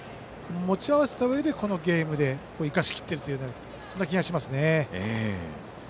持ち合わせたうえでこのゲームで生かしきっている気がしますね。